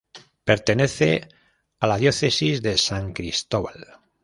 Pertenece a la Diócesis de San Cristóbal.